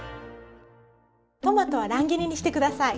トマトは乱切りにして下さい。